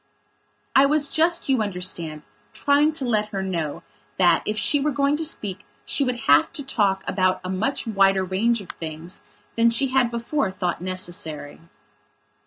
I was just, you understand, trying to let her know that, if she were going to speak she would have to talk about a much wider range of things than she had before thought necessary.